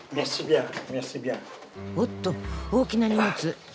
おっと大きな荷物。